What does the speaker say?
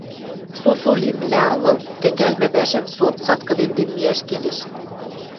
— Сусу лимӹлӓ агыл, тӹнгӓлмӹ пӓшӓм со цаткыдемден миӓш келеш.